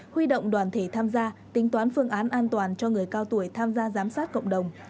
huy động đoàn thể tham gia tính toán phương án an toàn cho người cao tuổi tham gia giám sát cộng đồng